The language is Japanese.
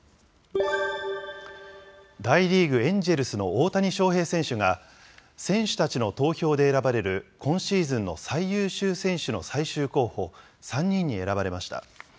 大リーグ・エンジェルスの大谷翔平選手が、選手たちの投票で選ばれる今シーズンの最優秀選手の最終候補３人に選ばれました。